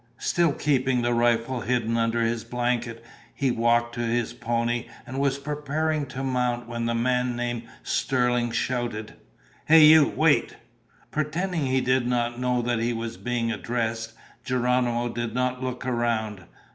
Still keeping the rifle hidden under his blanket, he walked to his pony and was preparing to mount when the man named Sterling shouted: "Hey you! Wait!" Pretending he did not know that he was being addressed, Geronimo did not look around.